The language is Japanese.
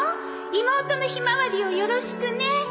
妹のひまわりをよろしくね。